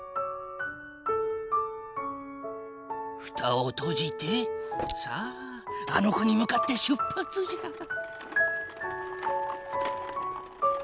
ふたをとじてさああの子に向かって出発じゃ。